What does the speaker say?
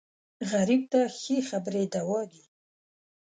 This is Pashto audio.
غریب ته ښې خبرې دوا دي